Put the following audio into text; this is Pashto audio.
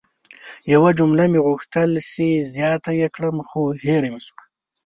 یوه جمله مې غوښتل چې زیاته ېې کړم خو هیره مې سوه!